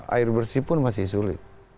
air bersih pun masih sulit